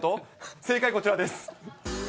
正解はこちらです。